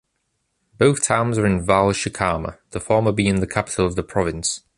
Both towns are in Valle Chicama, the former being the capital of the province.